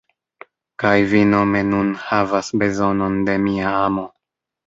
Kaj vi nome nun havas bezonon de mia amo.